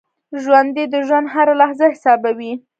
ژوندي د ژوند هره لحظه حسابوي